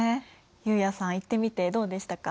悠也さん行ってみてどうでしたか？